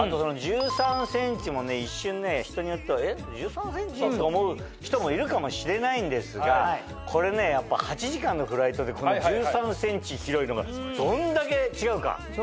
あと１３ｃｍも一瞬ね人によっては「えっ１３ｃｍ？」と思う人もいるかもしれないんですがこれねやっぱ８時間のフライトでこの１３ｃｍ広いのがどんだけ違うか。